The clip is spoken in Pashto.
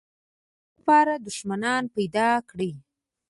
د هغه لپاره دښمنان پیدا کړي.